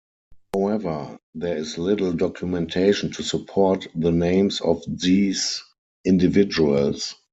However, there is little documentation to support the names of these individuals.